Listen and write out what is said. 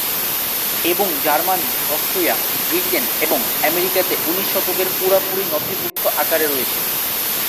এবং Germany, Austria, Britain, এবং আমেরিকাতে উনিশ শতকের পুরোপুরি নথিভুক্ত আকারে রয়েছে।